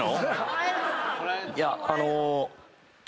いやあの。